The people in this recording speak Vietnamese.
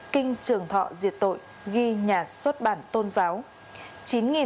kinh trường thọ diệt tội